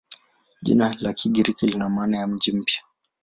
Jina la Kigiriki lina maana ya "mji mpya".